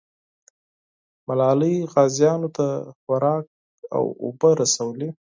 ملالۍ غازیانو ته خوراک او اوبه رسولې.